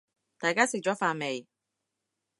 大家食咗飯未